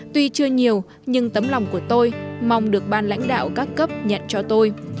tuy chưa nhiều nhưng tấm lòng của tôi mong được ban lãnh đạo các cấp nhận cho tôi